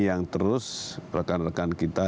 yang terus rekan rekan kita